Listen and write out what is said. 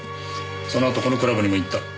そのあとこのクラブにも行った。